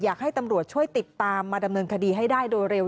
อยากให้ตำรวจช่วยติดตามมาดำเนินคดีให้ได้โดยเร็ว